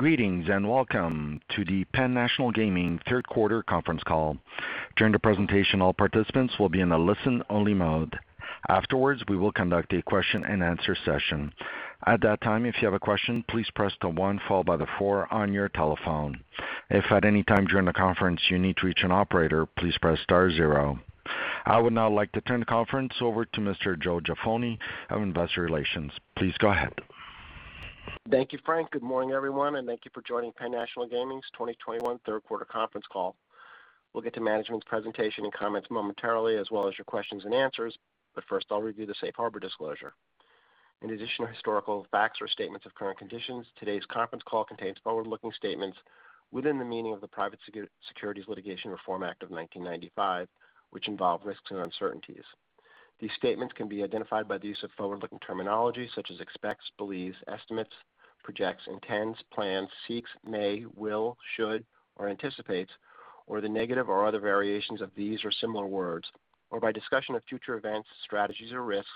Greetings, and welcome to the Penn National Gaming third quarter conference call. During the presentation, all participants will be in a listen-only mode. Afterwards, we will conduct a question-and-answer session. At that time, if you have a question, please press the one followed by the four on your telephone. If at any time during the conference you need to reach an operator, please press star zero. I would now like to turn the conference over to Mr. Joseph N. Jaffoni of Investor Relations. Please go ahead. Thank you, Frank. Good morning, everyone, and thank you for joining Penn National Gaming's 2021 third quarter conference call. We'll get to management's presentation and comments momentarily, as well as your questions and answers, but first, I'll review the safe harbor disclosure. In addition to historical facts or statements of current conditions, today's conference call contains forward-looking statements within the meaning of the Private Securities Litigation Reform Act of 1995, which involve risks and uncertainties. These statements can be identified by the use of forward-looking terminology such as expects, believes, estimates, projects, intends, plans, seeks, may, will, should, or anticipates, or the negative or other variations of these or similar words, or by discussion of future events, strategies or risks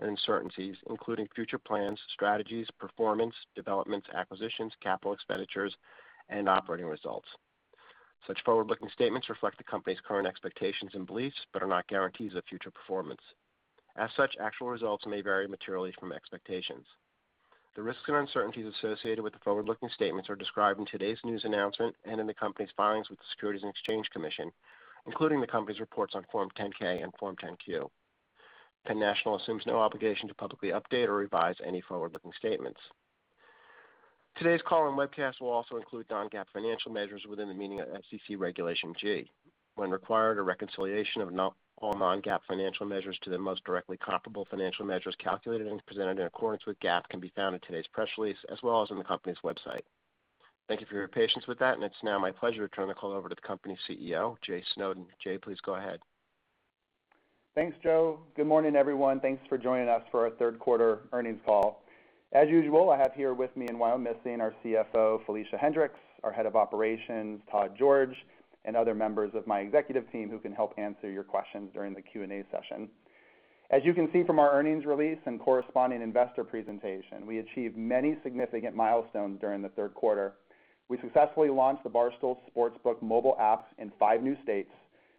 and uncertainties, including future plans, strategies, performance, developments, acquisitions, capital expenditures, and operating results. Such forward-looking statements reflect the company's current expectations and beliefs, but are not guarantees of future performance. As such, actual results may vary materially from expectations. The risks and uncertainties associated with the forward-looking statements are described in today's news announcement and in the company's filings with the Securities and Exchange Commission, including the company's reports on Form 10-K and Form 10-Q. Penn National assumes no obligation to publicly update or revise any forward-looking statements. Today's call and webcast will also include non-GAAP financial measures within the meaning of SEC Regulation G. When required, a reconciliation of all non-GAAP financial measures to the most directly comparable financial measures calculated and presented in accordance with GAAP can be found in today's press release, as well as on the company's website. Thank you for your patience with that, and it's now my pleasure to turn the call over to the company's CEO, Jay Snowden. Jay, please go ahead. Thanks, Joe. Good morning, everyone. Thanks for joining us for our third quarter earnings call. As usual, I have here with me in Wyomissing our CFO, Felicia Hendrix, our Head of Operations, Todd George, and other members of my executive team who can help answer your questions during the Q&A session. As you can see from our earnings release and corresponding investor presentation, we achieved many significant milestones during the third quarter. We successfully launched the Barstool Sportsbook mobile apps in five new states,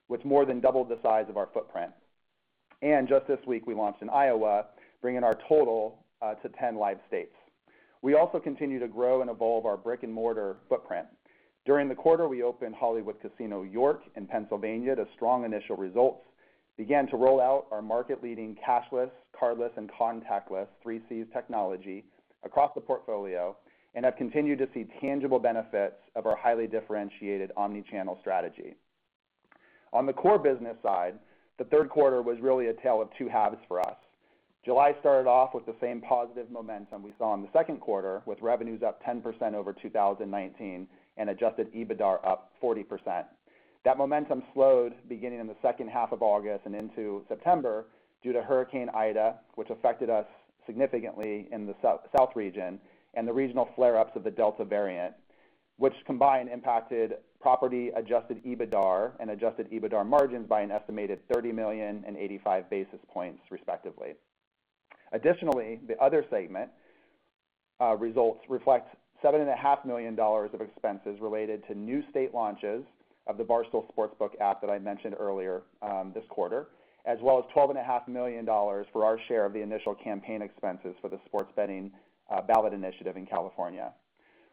which more than doubled the size of our footprint. Just this week, we launched in Iowa, bringing our total to ten live states. We also continue to grow and evolve our brick-and-mortar footprint. During the quarter, we opened Hollywood Casino York in Pennsylvania to strong initial results, began to roll out our market-leading cashless, cardless, and contactless 3Cs technology across the portfolio and have continued to see tangible benefits of our highly differentiated omni-channel strategy. On the core business side, the third quarter was really a tale of two halves for us. July started off with the same positive momentum we saw in the second quarter, with revenues up 10% over 2019 and Adjusted EBITDAR up 40%. That momentum slowed beginning in the second half of August and into September due to Hurricane Ida, which affected us significantly in the South region and the regional flare-ups of the Delta variant, which combined impacted property Adjusted EBITDAR and Adjusted EBITDAR margins by an estimated $30 million and 85 basis points, respectively. Additionally, the other segment results reflect $7 and a half million of expenses related to new state launches of the Barstool Sportsbook app that I mentioned earlier this quarter, as well as $12 and a half million for our share of the initial campaign expenses for the sports betting ballot initiative in California.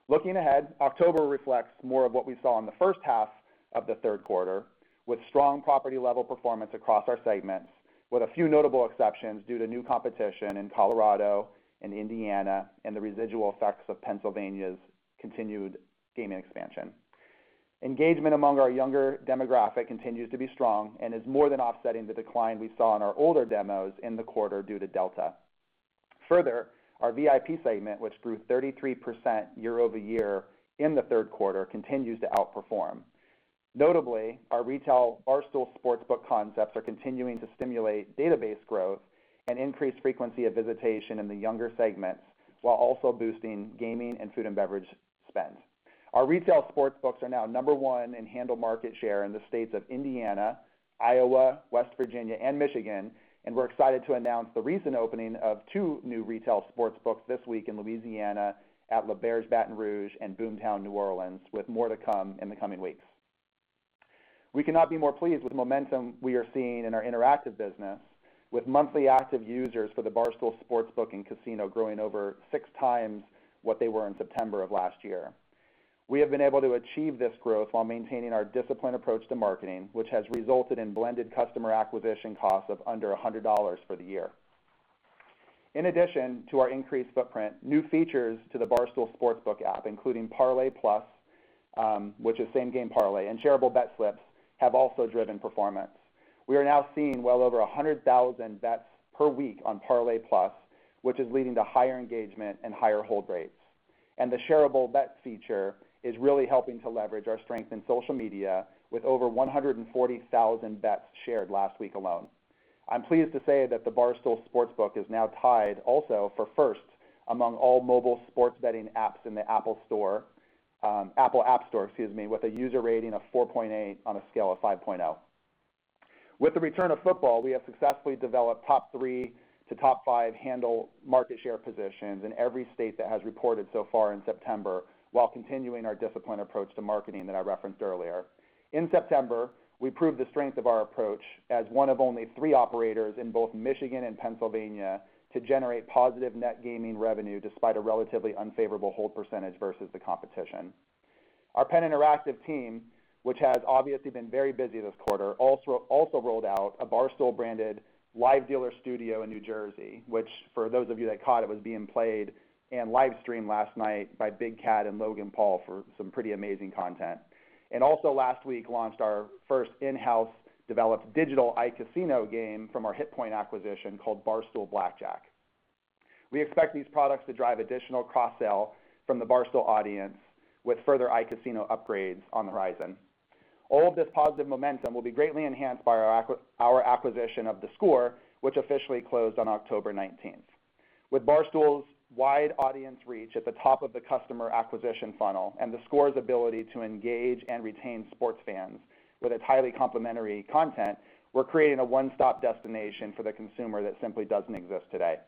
Looking ahead, October reflects more of what we saw in the first half of the third quarter, with strong property-level performance across our segments, with a few notable exceptions due to new competition in Colorado and Indiana and the residual effects of Pennsylvania's continued gaming expansion. Engagement among our younger demographic continues to be strong and is more than offsetting the decline we saw in our older demos in the quarter due to Delta. Further, our VIP segment, which grew 33% year-over-year in the third quarter, continues to outperform. Notably, our retail Barstool Sportsbook concepts are continuing to stimulate database growth and increase frequency of visitation in the younger segments while also boosting gaming and food and beverage spend. Our retail sportsbooks are now number one in handle market share in the states of Indiana, Iowa, West Virginia, and Michigan, and we're excited to announce the recent opening of two new retail sportsbooks this week in Louisiana at L'Auberge Baton Rouge and Boomtown New Orleans, with more to come in the coming weeks. We cannot be more pleased with the momentum we are seeing in our interactive business with monthly active users for the Barstool Sportsbook and Casino growing over six times what they were in September of last year. We have been able to achieve this growth while maintaining our disciplined approach to marketing, which has resulted in blended customer acquisition costs of under $100 for the year. In addition to our increased footprint, new features to the Barstool Sportsbook app, including Parlay Plus, which is same-game parlay, and shareable bet slips, have also driven performance. We are now seeing well over 100,000 bets per week on Parlay Plus, which is leading to higher engagement and higher hold rates. The shareable bets feature is really helping to leverage our strength in social media with over 140,000 bets shared last week alone. I'm pleased to say that the Barstool Sportsbook is now tied also for first among all mobile sports betting apps in the Apple App Store, excuse me, with a user rating of 4.8 on a scale of 5.0. With the return of football, we have successfully developed top 3 to top 5 handle market share positions in every state that has reported so far in September, while continuing our disciplined approach to marketing that I referenced earlier. In September, we proved the strength of our approach as one of only three operators in both Michigan and Pennsylvania to generate positive net gaming revenue despite a relatively unfavorable hold percentage versus the competition. Our PENN Interactive team, which has obviously been very busy this quarter, also rolled out a Barstool-branded live dealer studio in New Jersey, which for those of you that caught, it was being played and live streamed last night by Big Cat and Logan Paul for some pretty amazing content. Also last week launched our first in-house developed digital iCasino game from our HitPoint acquisition called Barstool Blackjack. We expect these products to drive additional cross-sell from the Barstool audience with further iCasino upgrades on the horizon. All of this positive momentum will be greatly enhanced by our acquisition of theScore, which officially closed on October 19. With Barstool's wide audience reach at the top of the customer acquisition funnel and theScore's ability to engage and retain sports fans with its highly complementary content, we're creating a one-stop destination for the consumer that simply doesn't exist today.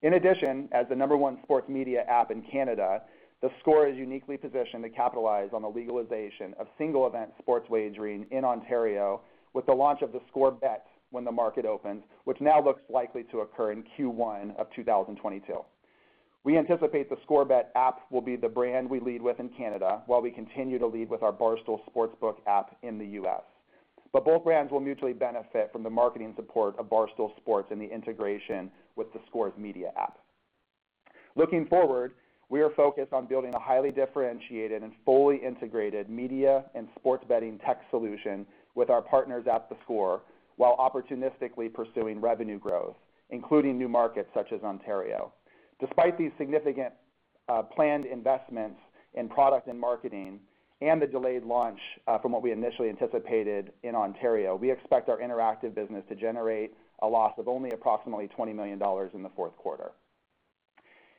In addition, as the number one sports media app in Canada, theScore is uniquely positioned to capitalize on the legalization of single event sports wagering in Ontario with the launch of theScore Bet when the market opens, which now looks likely to occur in Q1 of 2022. We anticipate theScore Bet app will be the brand we lead with in Canada, while we continue to lead with our Barstool Sportsbook app in the U.S. Both brands will mutually benefit from the marketing support of Barstool Sports and the integration with theScore's media app. Looking forward, we are focused on building a highly differentiated and fully integrated media and sports betting tech solution with our partners at theScore, while opportunistically pursuing revenue growth, including new markets such as Ontario. Despite these significant planned investments in product and marketing and the delayed launch from what we initially anticipated in Ontario, we expect our interactive business to generate a loss of only approximately $20 million in the fourth quarter.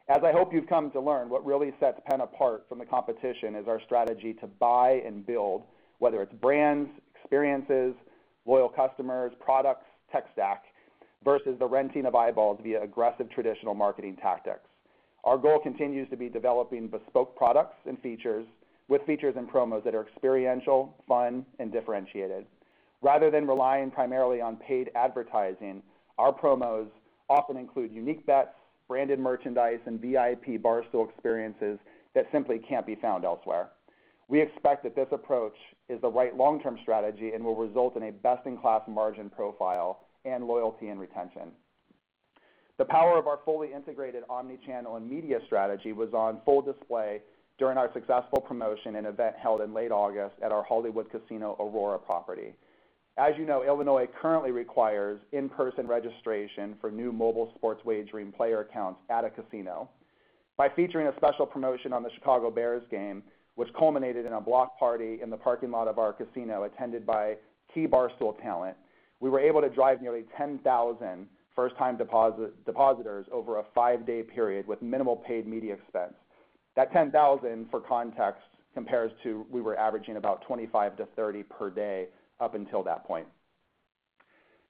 As I hope you've come to learn, what really sets Penn apart from the competition is our strategy to buy and build, whether it's brands, experiences, loyal customers, products, tech stack, versus the renting of eyeballs via aggressive traditional marketing tactics. Our goal continues to be developing bespoke products and features, with features and promos that are experiential, fun, and differentiated. Rather than relying primarily on paid advertising, our promos often include unique bets, branded merchandise, and VIP Barstool experiences that simply can't be found elsewhere. We expect that this approach is the right long-term strategy and will result in a best-in-class margin profile and loyalty and retention. The power of our fully integrated omni-channel and media strategy was on full display during our successful promotion and event held in late August at our Hollywood Casino Aurora property. As you know, Illinois currently requires in-person registration for new mobile sports wagering player accounts at a casino. By featuring a special promotion on the Chicago Bears game, which culminated in a block party in the parking lot of our casino attended by key Barstool talent, we were able to drive nearly 10,000 first-time depositors over a five-day period with minimal paid media expense. That 10,000, for context, compares to we were averaging about 25-30 per day up until that point.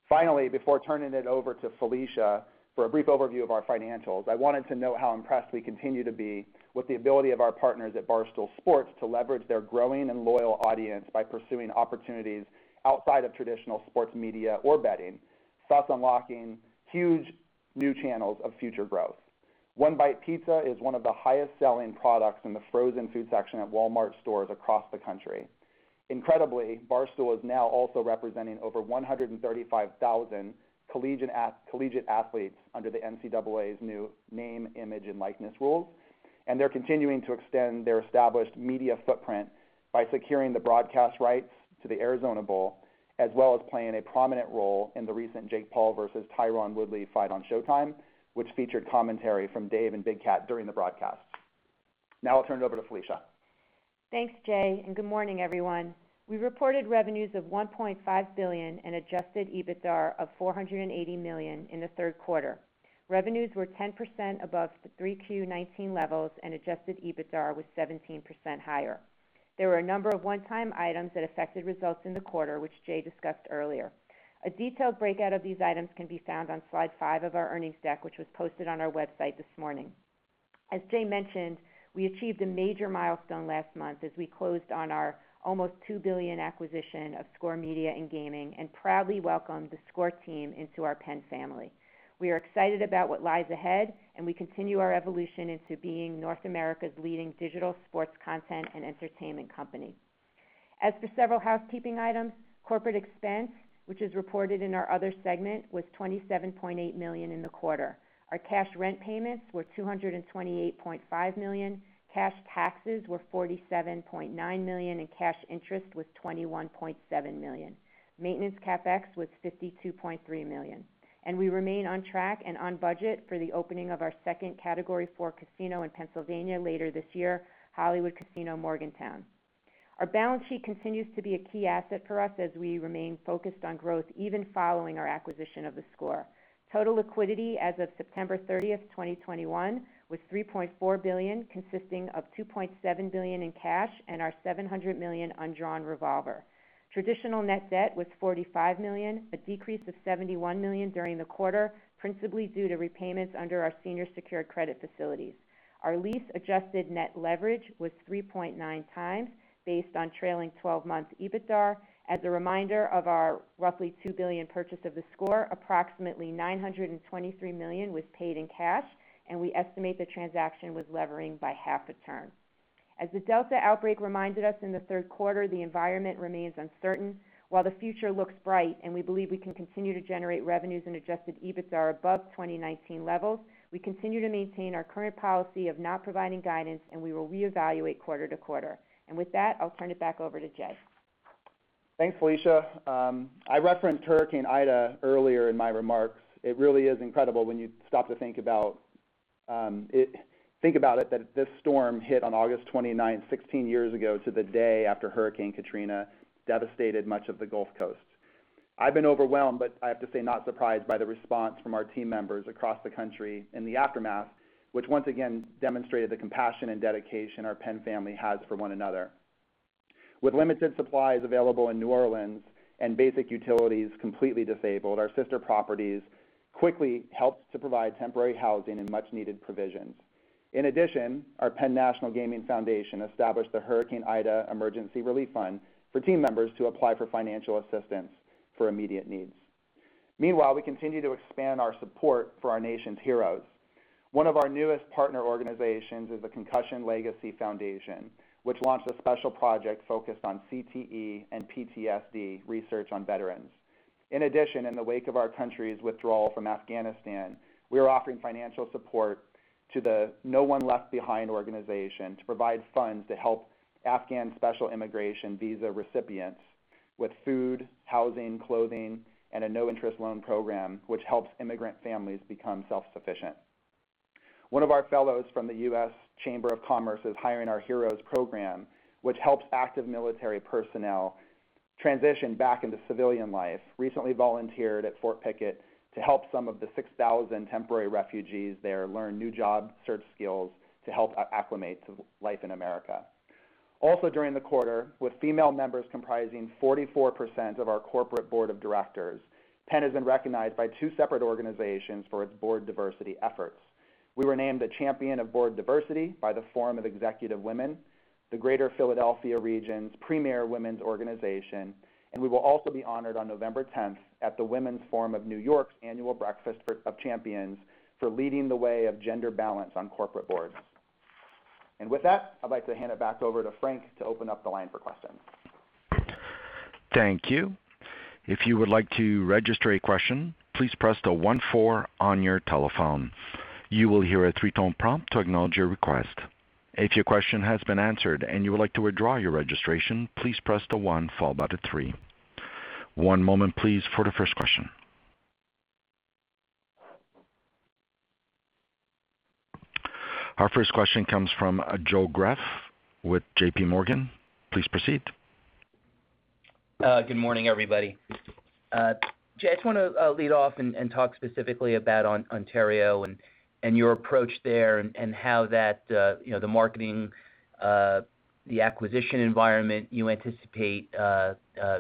Finally, before turning it over to Felicia for a brief overview of our financials, I wanted to note how impressed we continue to be with the ability of our partners at Barstool Sports to leverage their growing and loyal audience by pursuing opportunities outside of traditional sports media or betting, thus unlocking huge new channels of future growth. One Bite Pizza is one of the highest-selling products in the frozen food section at Walmart stores across the country. Incredibly, Barstool is now also representing over 135,000 collegiate athletes under the NCAA's new Name, Image, and Likeness rules. They're continuing to extend their established media footprint by securing the broadcast rights to the Arizona Bowl, as well as playing a prominent role in the recent Jake Paul versus Tyron Woodley fight on Showtime, which featured commentary from Dave and Big Cat during the broadcast. Now I'll turn it over to Felicia. Thanks, Jay, and good morning, everyone. We reported revenues of $1.5 billion and Adjusted EBITDA of $480 million in the third quarter. Revenues were 10% above the 3Q 2019 levels and Adjusted EBITDA was 17% higher. There were a number of one-time items that affected results in the quarter, which Jay discussed earlier. A detailed breakout of these items can be found on slide 5 of our earnings deck, which was posted on our website this morning. As Jay mentioned, we achieved a major milestone last month as we closed on our almost $2 billion acquisition of theScore Media and Gaming, and proudly welcomed the Score team into our Penn family. We are excited about what lies ahead, and we continue our evolution into being North America's leading digital sports content and entertainment company. As for several housekeeping items, corporate expense, which is reported in our other segment, was $27.8 million in the quarter. Our cash rent payments were $228.5 million, cash taxes were $47.9 million, and cash interest was $21.7 million. Maintenance CapEx was $52.3 million. We remain on track and on budget for the opening of our second Category 4 casino in Pennsylvania later this year, Hollywood Casino Morgantown. Our balance sheet continues to be a key asset for us as we remain focused on growth even following our acquisition of theScore. Total liquidity as of September 30th, 2021 was $3.4 billion, consisting of $2.7 billion in cash and our $700 million undrawn revolver. Traditional net debt was $45 million, a decrease of $71 million during the quarter, principally due to repayments under our senior secured credit facilities. Our lease adjusted net leverage was 3.9 times based on trailing twelve months EBITDA. As a reminder of our roughly $2 billion purchase of theScore, approximately $923 million was paid in cash, and we estimate the transaction was levering by half a turn. As the Delta outbreak reminded us in the third quarter, the environment remains uncertain. While the future looks bright and we believe we can continue to generate revenues and adjusted EBITDA above 2019 levels, we continue to maintain our current policy of not providing guidance, and we will reevaluate quarter to quarter. With that, I'll turn it back over to Jay. Thanks, Felicia. I referenced Hurricane Ida earlier in my remarks. It really is incredible when you stop to think about it that this storm hit on August 29th, 16 years ago to the day after Hurricane Katrina devastated much of the Gulf Coast. I've been overwhelmed, but I have to say, not surprised by the response from our team members across the country in the aftermath, which once again demonstrated the compassion and dedication our Penn family has for one another. With limited supplies available in New Orleans and basic utilities completely disabled, our sister properties quickly helped to provide temporary housing and much-needed provisions. In addition, our Penn National Gaming Foundation established the Hurricane Ida Emergency Relief Fund for team members to apply for financial assistance for immediate needs. Meanwhile, we continue to expand our support for our nation's heroes. One of our newest partner organizations is the Concussion Legacy Foundation, which launched a special project focused on CTE and PTSD research on veterans. In addition, in the wake of our country's withdrawal from Afghanistan, we are offering financial support to the No One Left Behind organization to provide funds to help Afghan special immigration visa recipients with food, housing, clothing, and a no-interest loan program which helps immigrant families become self-sufficient. One of our fellows from the U.S. Chamber of Commerce's Hiring Our Heroes program, which helps active military personnel transition back into civilian life, recently volunteered at Fort Pickett to help some of the 6,000 temporary refugees there learn new job search skills to help acclimate to life in America. During the quarter, with female members comprising 44% of our corporate board of directors, Penn has been recognized by two separate organizations for its board diversity efforts. We were named a Champion of Board Diversity by the Forum of Executive Women, the Greater Philadelphia region's premier women's organization, and we will also be honored on November tenth at the Women's Forum of New York's annual Breakfast of Corporate Champions for leading the way of gender balance on corporate boards. With that, I'd like to hand it back over to Frank to open up the line for questions. Our first question comes from Joe Greff with J.P. Morgan. Please proceed. Good morning, everybody. Jay, I just wanna lead off and talk specifically about Ontario and your approach there and how that, you know, the marketing, the acquisition environment you anticipate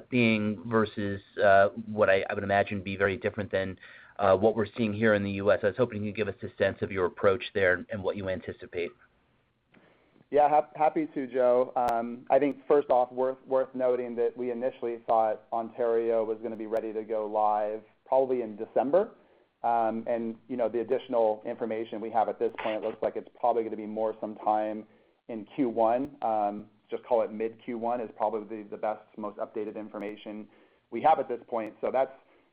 being versus what I would imagine be very different than what we're seeing here in the U.S. I was hoping you could give us a sense of your approach there and what you anticipate. Happy to, Joe. I think first off, worth noting that we initially thought Ontario was gonna be ready to go live probably in December. You know, the additional information we have at this point looks like it's probably gonna be more like some time in Q1. Just call it mid Q1 is probably the best, most updated information we have at this point. So that's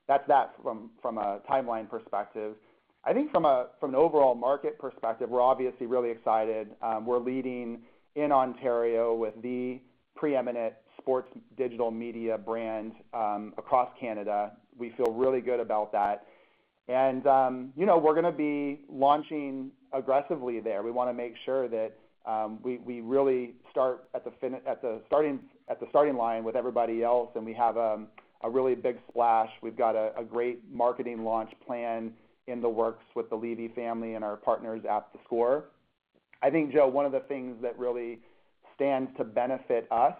that from a timeline perspective. I think from an overall market perspective, we're obviously really excited. We're leading in Ontario with the preeminent sports digital media brand across Canada. We feel really good about that. You know, we're gonna be launching aggressively there. We wanna make sure that we really start at the starting line with everybody else, and we have a really big splash. We've got a great marketing launch plan in the works with the Levy family and our partners at The Score. I think, Joe, one of the things that really stands to benefit us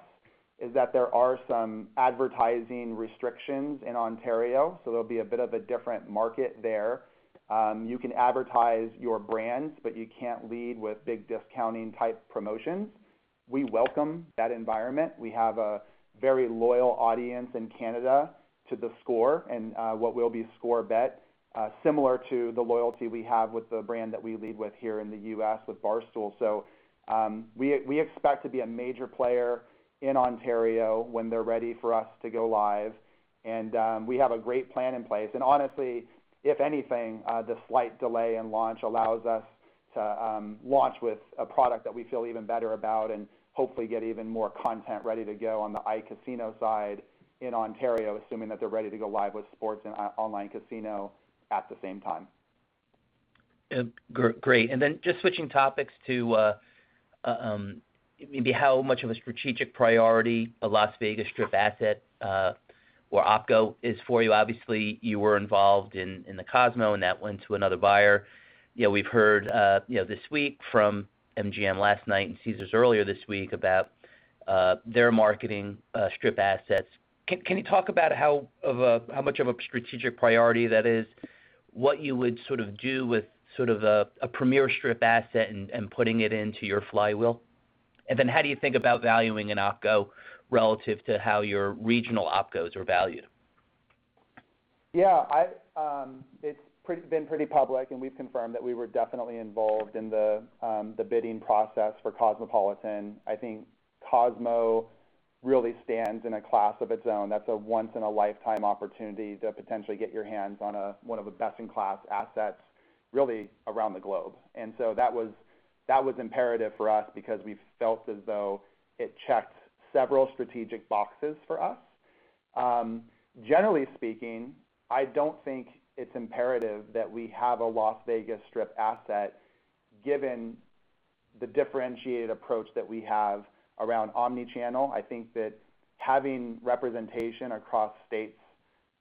is that there are some advertising restrictions in Ontario, so there'll be a bit of a different market there. You can advertise your brands, but you can't lead with big discounting-type promotions. We welcome that environment. We have a very loyal audience in Canada to The Score and what will be Score Bet, similar to the loyalty we have with the brand that we lead with here in the US with Barstool. We expect to be a major player in Ontario when they're ready for us to go live and we have a great plan in place. Honestly, if anything, the slight delay in launch allows us to launch with a product that we feel even better about and hopefully get even more content ready to go on the iCasino side in Ontario, assuming that they're ready to go live with sports and online casino at the same time. Great. Just switching topics to maybe how much of a strategic priority a Las Vegas Strip asset or OPCO is for you. Obviously, you were involved in the Cosmo, and that went to another buyer. You know, we've heard this week from MGM last night and Caesars earlier this week about their marketing Strip assets. Can you talk about how much of a strategic priority that is, what you would sort of do with a premier Strip asset and putting it into your flywheel? How do you think about valuing an OPCO relative to how your regional OPCOs are valued? Yeah, it's been pretty public, and we've confirmed that we were definitely involved in the bidding process for Cosmopolitan. I think Cosmo really stands in a class of its own. That's a once in a lifetime opportunity to potentially get your hands on one of the best in class assets really around the globe. That was imperative for us because we felt as though it checked several strategic boxes for us. Generally speaking, I don't think it's imperative that we have a Las Vegas Strip asset, given the differentiated approach that we have around omni-channel. I think that having representation across states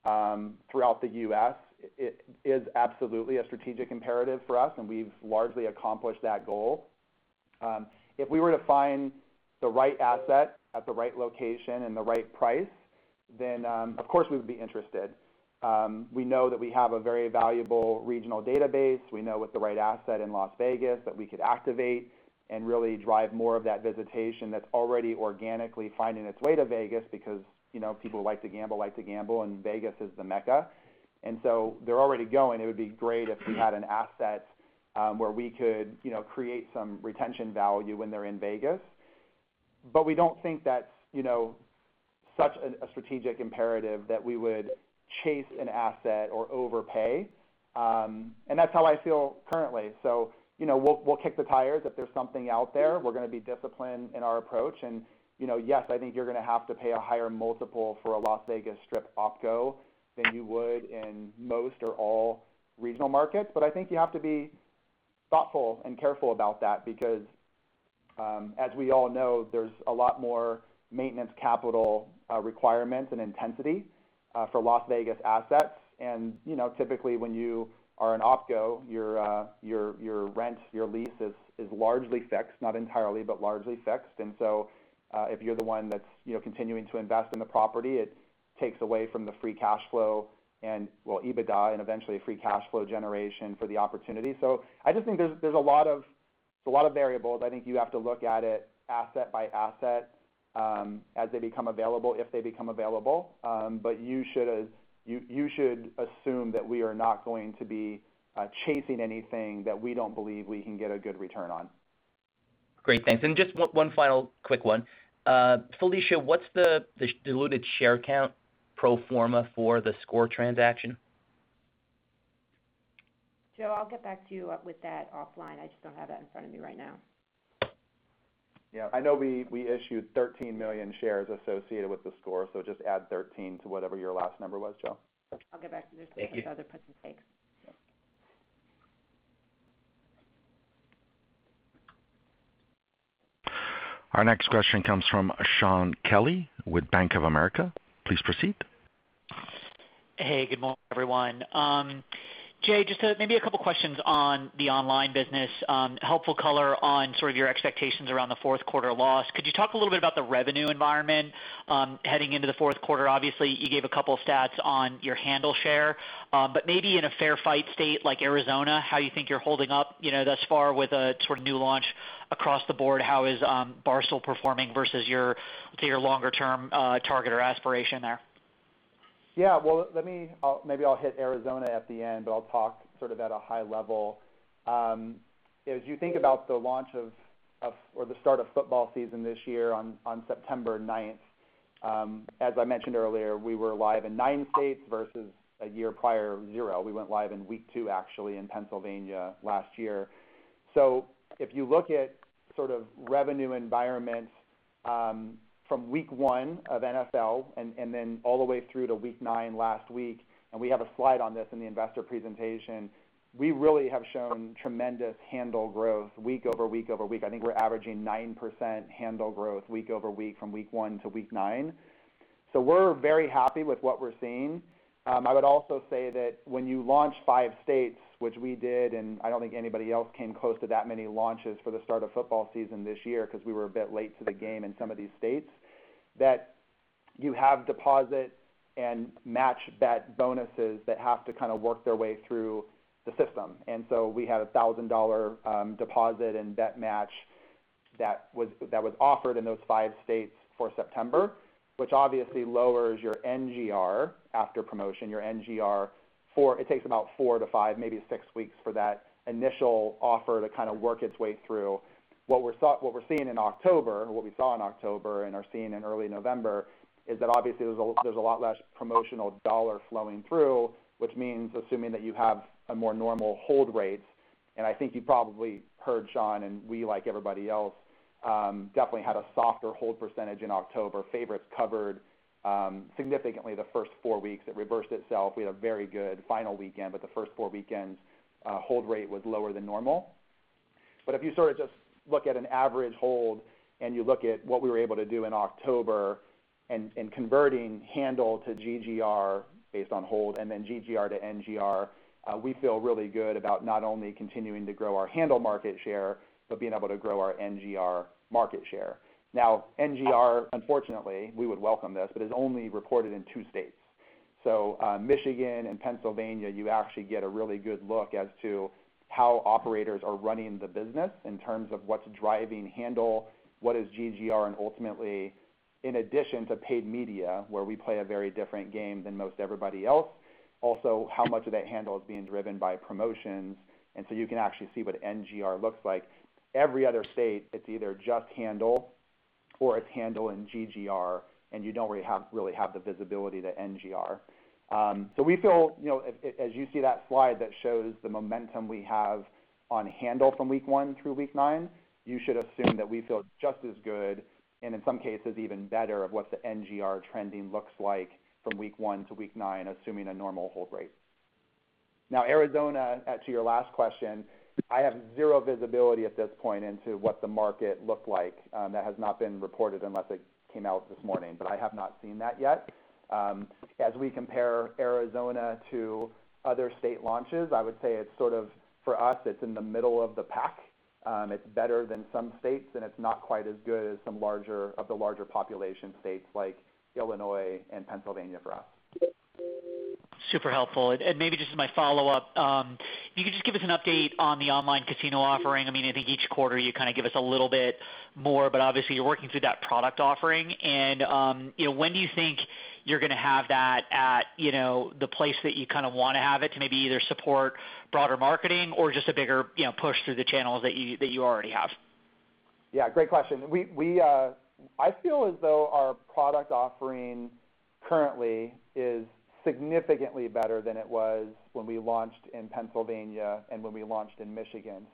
throughout the U.S., it is absolutely a strategic imperative for us, and we've largely accomplished that goal. If we were to find the right asset at the right location and the right price, then, of course we would be interested. We know that we have a very valuable regional database. We know with the right asset in Las Vegas that we could activate and really drive more of that visitation that's already organically finding its way to Vegas because, you know, people who like to gamble, like to gamble, and Vegas is the mecca. They're already going. It would be great if we had an asset where we could, you know, create some retention value when they're in Vegas. But we don't think that's, you know, such a strategic imperative that we would chase an asset or overpay. That's how I feel currently. You know, we'll kick the tires if there's something out there. We're gonna be disciplined in our approach. You know, yes, I think you're gonna have to pay a higher multiple for a Las Vegas Strip OpCo than you would in most or all regional markets. I think you have to be thoughtful and careful about that because, as we all know, there's a lot more maintenance capital requirements and intensity for Las Vegas assets. You know, typically when you are an OPCO, your rent, your lease is largely fixed, not entirely, but largely fixed. If you're the one that's, you know, continuing to invest in the property, it takes away from the free cash flow and, well, EBITDA and eventually free cash flow generation for the opportunity. I just think there's a lot of variables. I think you have to look at it asset by asset, as they become available, if they become available. You should assume that we are not going to be chasing anything that we don't believe we can get a good return on. Great. Thanks. Just one final quick one. Felicia, what's the diluted share count pro forma for theScore transaction? Joe, I'll get back to you with that offline. I just don't have that in front of me right now. Yeah. I know we issued 13 million shares associated with the Score, so just add 13 to whatever your last number was, Joe. I'll get back to you just with those other puts and takes. Thank you. Yeah. Our next question comes from Shaun Kelley with Bank of America. Please proceed. Hey, good morning, everyone. Jay, just maybe a couple questions on the online business. Helpful color on sort of your expectations around the fourth quarter loss. Could you talk a little bit about the revenue environment, heading into the fourth quarter? Obviously, you gave a couple of stats on your handle share. Maybe in a fair fight state like Arizona, how you think you're holding up, you know, thus far with a sort of new launch across the board. How is Barstool performing versus your, let's say, your longer-term target or aspiration there? Yeah. Well, let me maybe hit Arizona at the end, but I'll talk sort of at a high level. As you think about the launch of or the start of football season this year on September ninth, as I mentioned earlier, we were live in nine states versus a year prior, zero. We went live in week two, actually, in Pennsylvania last year. If you look at sort of revenue environments, from week one of NFL and then all the way through to week nine last week, and we have a slide on this in the investor presentation, we really have shown tremendous handle growth week-over-week. I think we're averaging 9% handle growth week-over-week from week one to week nine. We're very happy with what we're seeing. I would also say that when you launch five states, which we did, and I don't think anybody else came close to that many launches for the start of football season this year 'cause we were a bit late to the game in some of these states, that you have deposit and match bet bonuses that have to kind of work their way through the system. We had a $1,000 deposit and bet match that was offered in those five states for September, which obviously lowers your NGR after promotion. It takes about 4-5, maybe six weeks for that initial offer to kind of work its way through. What we're seeing in October, what we saw in October and are seeing in early November is that obviously there's a lot less promotional dollar flowing through, which means assuming that you have a more normal hold rate, and I think you probably heard, Shaun, and we, like everybody else, definitely had a softer hold percentage in October. Favorites covered significantly the first four weeks. It reversed itself. We had a very good final weekend, but the first four weekends, hold rate was lower than normal. If you sort of just look at an average hold and you look at what we were able to do in October and converting handle to GGR based on hold and then GGR to NGR, we feel really good about not only continuing to grow our handle market share, but being able to grow our NGR market share. Now, NGR, unfortunately, we would welcome this, but is only reported in two states. Michigan and Pennsylvania, you actually get a really good look as to how operators are running the business in terms of what's driving handle, what is GGR, and ultimately, in addition to paid media, where we play a very different game than most everybody else, also how much of that handle is being driven by promotions, and so you can actually see what NGR looks like. Every other state, it's either just handle or it's handle and GGR, and you don't really have the visibility to NGR. We feel, you know, as you see that slide that shows the momentum we have on handle from week one through week nine, you should assume that we feel just as good and in some cases even better of what the NGR trending looks like from week one to week nine, assuming a normal hold rate. Now, Arizona, to your last question, I have zero visibility at this point into what the market looked like. That has not been reported unless it came out this morning, but I have not seen that yet. As we compare Arizona to other state launches, I would say it's sort of, for us, it's in the middle of the pack. It's better than some states, and it's not quite as good as some larger population states like Illinois and Pennsylvania for us. Super helpful. Maybe just as my follow-up, you could just give us an update on the online casino offering. I mean, I think each quarter you kind of give us a little bit more, but obviously you're working through that product offering. You know, when do you think you're gonna have that at, you know, the place that you kind of wanna have it to maybe either support broader marketing or just a bigger, you know, push through the channels that you already have? Yeah, great question. We feel as though our product offering currently is significantly better than it was when we launched in Pennsylvania and when we launched in Michigan.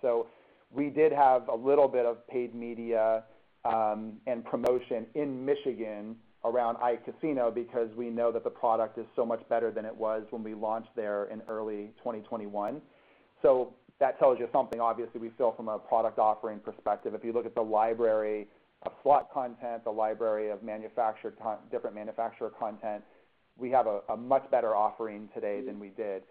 We did have a little bit of paid media and promotion in Michigan around iCasino because we know that the product is so much better than it was when we launched there in early 2021. That tells you something, obviously, we feel from a product offering perspective. If you look at the library of slot content, the library of different manufacturer content, we have a much better offering today than we did.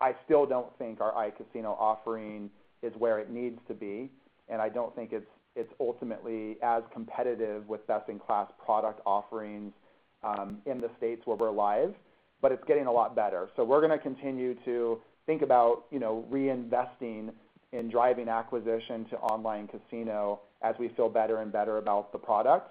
I still don't think our iCasino offering is where it needs to be, and I don't think it's ultimately as competitive with best-in-class product offerings in the states where we're live, but it's getting a lot better. We're gonna continue to think about, you know, reinvesting in driving acquisition to online casino as we feel better and better about the products.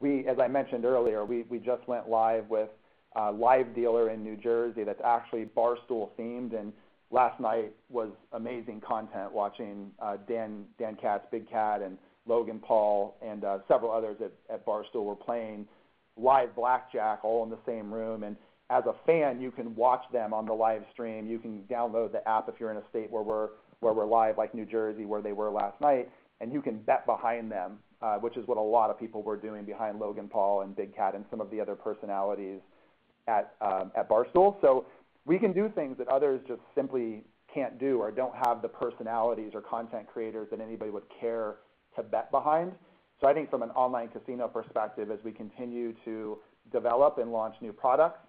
We, as I mentioned earlier, just went live with a live dealer in New Jersey that's actually Barstool themed, and last night was amazing content watching Dan Katz, Big Cat, and Logan Paul and several others at Barstool were playing live blackjack all in the same room. As a fan, you can watch them on the live stream. You can download the app if you're in a state where we're live, like New Jersey, where they were last night, and you can bet behind them, which is what a lot of people were doing behind Logan Paul and Big Cat and some of the other personalities at Barstool. We can do things that others just simply can't do or don't have the personalities or content creators that anybody would care to bet behind. I think from an online casino perspective, as we continue to develop and launch new products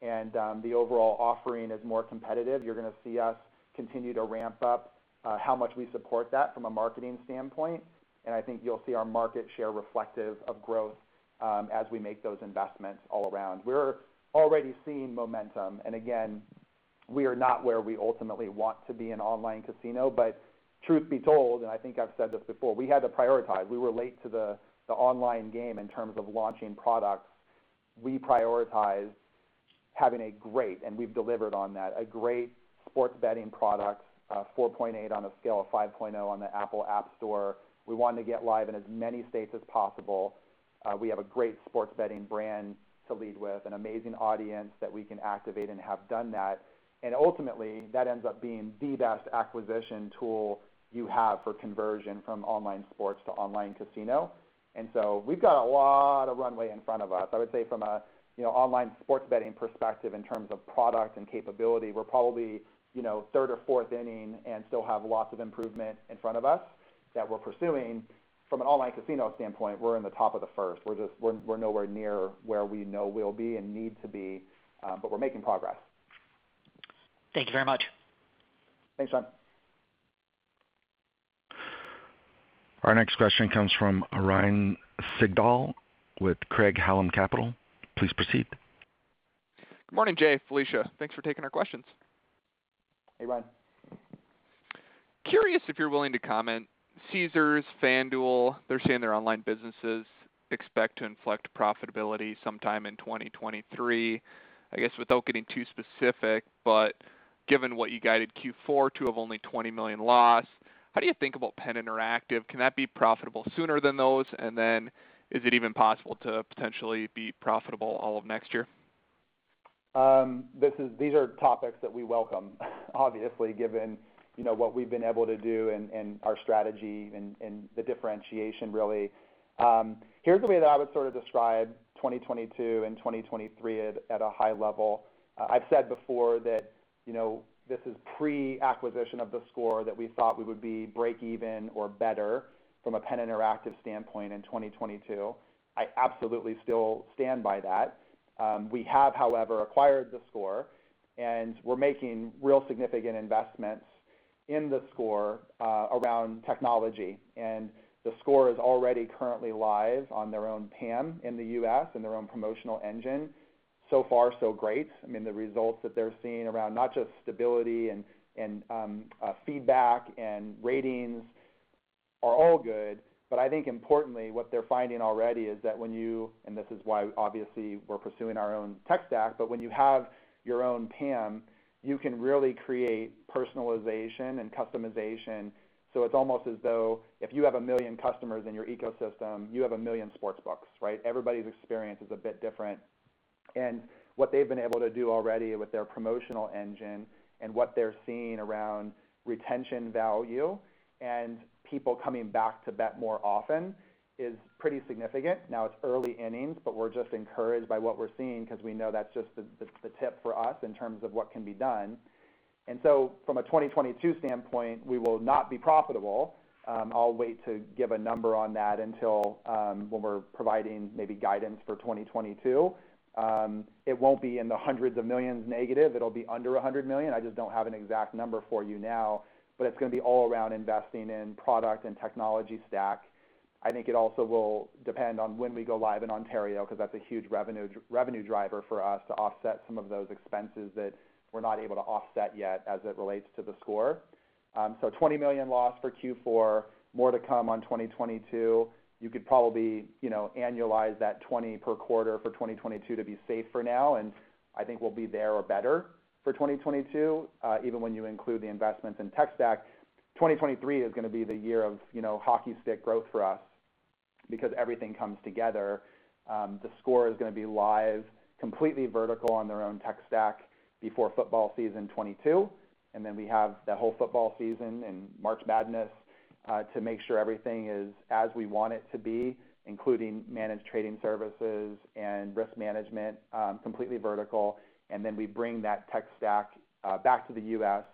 and the overall offering is more competitive, you're gonna see us continue to ramp up how much we support that from a marketing standpoint. I think you'll see our market share reflective of growth as we make those investments all around. We're already seeing momentum, and again, we are not where we ultimately want to be in online casino. Truth be told, and I think I've said this before, we had to prioritize. We were late to the online game in terms of launching products. We prioritized having a great sports betting product, and we've delivered on that, 4.8 on a scale of 5.0 on the Apple App Store. We wanted to get live in as many states as possible. We have a great sports betting brand to lead with, an amazing audience that we can activate and have done that. Ultimately, that ends up being the best acquisition tool you have for conversion from online sports to online casino. We've got a lot of runway in front of us. I would say from a, you know, online sports betting perspective in terms of product and capability, we're probably, you know, third or fourth inning and still have lots of improvement in front of us that we're pursuing. From an online casino standpoint, we're in the top of the first. We're nowhere near where we know we'll be and need to be, but we're making progress. Thank you very much. Thanks, Sean. Our next question comes from Ryan Sigdahl with Craig-Hallum Capital. Please proceed. Good morning, Jay, Felicia. Thanks for taking our questions. Hey, Ryan. Curious if you're willing to comment. Caesars, FanDuel, they're saying their online businesses expect to inflect profitability sometime in 2023. I guess without getting too specific, but given what you guided Q4 to of only $20 million loss, how do you think about Penn Interactive? Can that be profitable sooner than those? Is it even possible to potentially be profitable all of next year? These are topics that we welcome, obviously, given, you know, what we've been able to do and our strategy and the differentiation, really. Here's the way that I would sort of describe 2022 and 2023 at a high level. I've said before that you know, this is pre-acquisition of TheScore that we thought we would be break even or better from a PENN Interactive standpoint in 2022. I absolutely still stand by that. We have, however, acquired TheScore, and we're making real significant investments in TheScore around technology. TheScore is already currently live on their own PAM in the U.S. and their own promotional engine. So far, so great. I mean, the results that they're seeing around not just stability and feedback and ratings are all good. I think importantly, what they're finding already is that when you and this is why obviously we're pursuing our own tech stack, but when you have your own PAM, you can really create personalization and customization. It's almost as though if you have 1 million customers in your ecosystem, you have 1 million sports books, right? Everybody's experience is a bit different. What they've been able to do already with their promotional engine and what they're seeing around retention value and people coming back to bet more often is pretty significant. Now, it's early innings, but we're just encouraged by what we're seeing because we know that's just the tip for us in terms of what can be done. From a 2022 standpoint, we will not be profitable. I'll wait to give a number on that until when we're providing maybe guidance for 2022. It won't be in the hundreds of millions negative. It'll be under $100 million. I just don't have an exact number for you now, but it's gonna be all around investing in product and technology stack. I think it also will depend on when we go live in Ontario because that's a huge revenue driver for us to offset some of those expenses that we're not able to offset yet as it relates to theScore. $20 million loss for Q4, more to come on 2022. You could probably, you know, annualize that 20 per quarter for 2022 to be safe for now, and I think we'll be there or better for 2022, even when you include the investments in tech stack. 2023 is gonna be the year of, you know, hockey stick growth for us because everything comes together. theScore is gonna be live, completely vertical on their own tech stack before football season 2022, and then we have the whole football season and March Madness to make sure everything is as we want it to be, including managed trading services and risk management, completely vertical. We bring that tech stack back to the U.S.,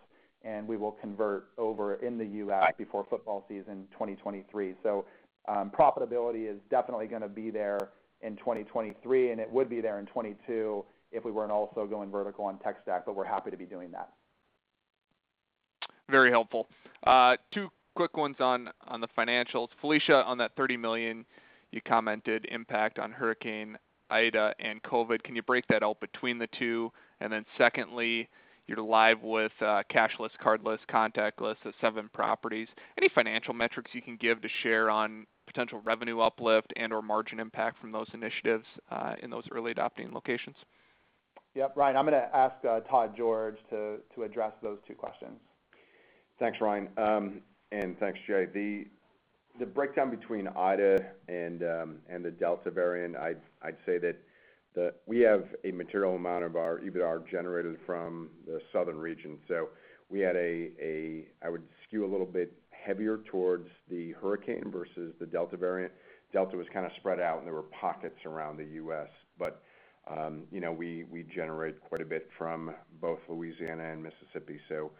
and we will convert over in the U.S. before football season 2023. Profitability is definitely gonna be there in 2023, and it would be there in 2022 if we weren't also going vertical on tech stack, but we're happy to be doing that. Very helpful. Two quick ones on the financials. Felicia, on that $30 million, you commented on impact on Hurricane Ida and COVID. Can you break that out between the two? Secondly, you're live with cashless, cardless, contactless at 7 properties. Any financial metrics you can give to share on potential revenue uplift and/or margin impact from those initiatives in those early adopting locations? Yeah, Ryan, I'm gonna ask Todd George to address those two questions. Thanks, Ryan. Thanks, Jay. The breakdown between Ida and the Delta variant, I'd say that we have a material amount of our EBITDAR generated from the southern region. I would skew a little bit heavier towards the hurricane versus the Delta variant. Delta was kinda spread out, and there were pockets around the U.S. You know, we generate quite a bit from both Louisiana and Mississippi, so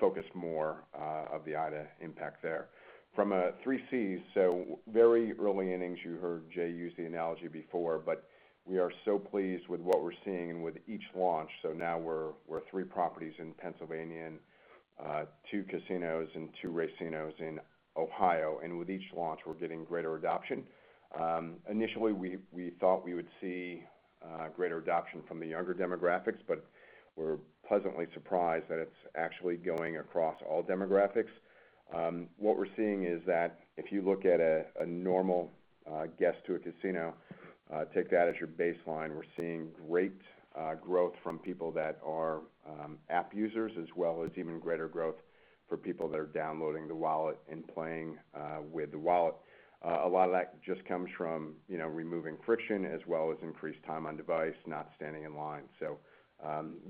focus more of the Ida impact there. From a 3Cs. Very early innings. You heard Jay use the analogy before, but we are so pleased with what we're seeing and with each launch. Now we're three properties in Pennsylvania and two casinos and two racinos in Ohio. With each launch, we're getting greater adoption. Initially we thought we would see greater adoption from the younger demographics, but we're pleasantly surprised that it's actually going across all demographics. What we're seeing is that if you look at a normal guest to a casino, take that as your baseline. We're seeing great growth from people that are app users as well as even greater growth for people that are downloading the wallet and playing with the wallet. A lot of that just comes from, you know, removing friction as well as increased time on device, not standing in line.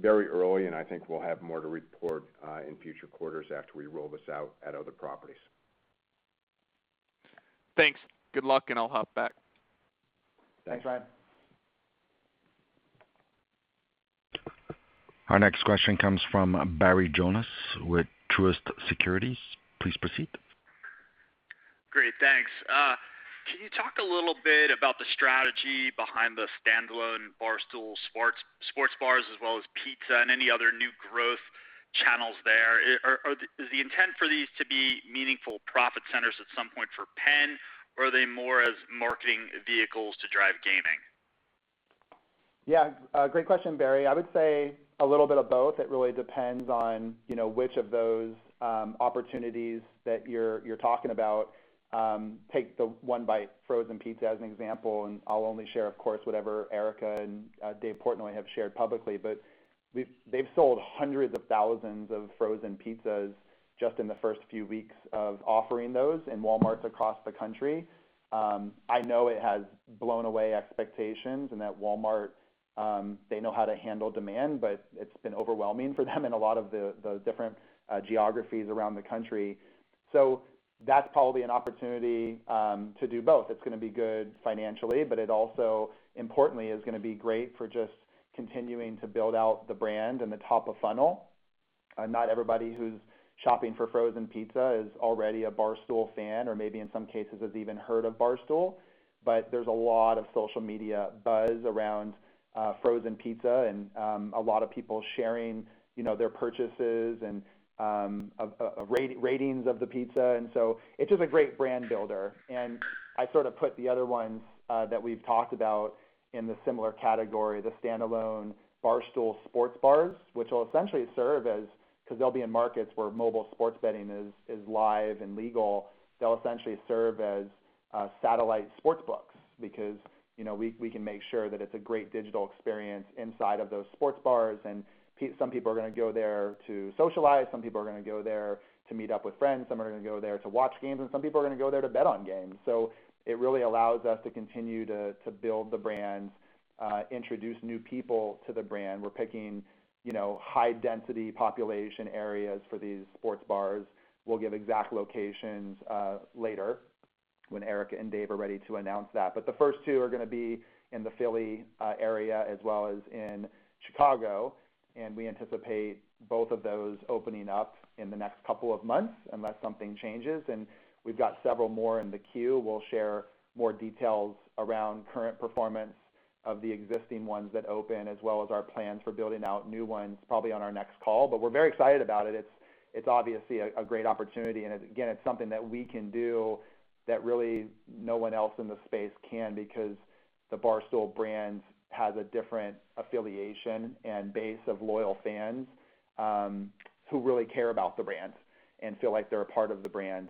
Very early, and I think we'll have more to report in future quarters after we roll this out at other properties. Thanks. Good luck, and I'll hop back. Thanks, Ryan. Our next question comes from Barry Jonas with Truist Securities. Please proceed. Great, thanks. Can you talk a little bit about the strategy behind the standalone Barstool Sports sports bars as well as pizza and any other new growth channels there? Is the intent for these to be meaningful profit centers at some point for Penn, or are they more as marketing vehicles to drive gaming? Yeah, great question, Barry. I would say a little bit of both. It really depends on, you know, which of those opportunities that you're talking about. Take the One Bite frozen pizza as an example, and I'll only share, of course, whatever Erica and Dave Portnoy have shared publicly. But they've sold hundreds of thousands of frozen pizzas just in the first few weeks of offering those in Walmarts across the country. I know it has blown away expectations and that Walmart they know how to handle demand, but it's been overwhelming for them in a lot of the different geographies around the country. So that's probably an opportunity to do both. It's gonna be good financially, but it also importantly is going to be great for just continuing to build out the brand and the top of funnel. Not everybody who's shopping for frozen pizza is already a Barstool fan or maybe in some cases has even heard of Barstool. There's a lot of social media buzz around frozen pizza and a lot of people sharing, you know, their purchases and of ratings of the pizza. It's just a great brand builder. I sort of put the other ones that we've talked about in the similar category, the standalone Barstool sports bars, which will essentially serve as because they'll be in markets where mobile sports betting is live and legal. They'll essentially serve as satellite sports books because, you know, we can make sure that it's a great digital experience inside of those sports bars. Some people are gonna go there to socialize. Some people are gonna go there to meet up with friends. Some are gonna go there to watch games, and some people are gonna go there to bet on games. So it really allows us to continue to build the brand, introduce new people to the brand. We're picking, you know, high density population areas for these sports bars. We'll give exact locations later when Erica and Dave are ready to announce that. But the first two are gonna be in the Philly area as well as in Chicago, and we anticipate both of those opening up in the next couple of months unless something changes. We've got several more in the queue. We'll share more details around current performance of the existing ones that open as well as our plans for building out new ones, probably on our next call. We're very excited about it. It's obviously a great opportunity. Again, it's something that we can do that really no one else in the space can because the Barstool brand has a different affiliation and base of loyal fans, who really care about the brand and feel like they're a part of the brand.